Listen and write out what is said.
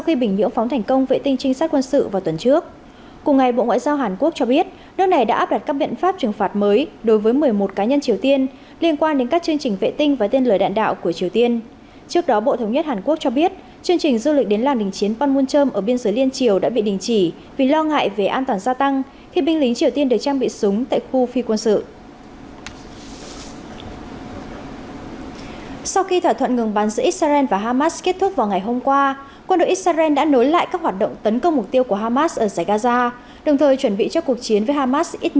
trước vào ngày hôm qua quân đội israel đã nối lại các hoạt động tấn công mục tiêu của hamas ở giải gaza đồng thời chuẩn bị cho cuộc chiến với hamas ít nhất trong một năm